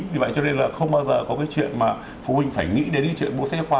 vì vậy cho nên là không bao giờ có cái chuyện mà phụ huynh phải nghĩ đến cái chuyện bộ sách giáo khoa